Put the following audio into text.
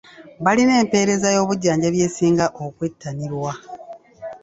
Balina empeereza y'obujjanjabi esinga okwettanirwa.